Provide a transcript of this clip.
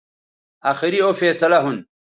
آخری او فیصلہ ھون